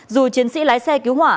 dù chiến sĩ lái xe cứu hỏa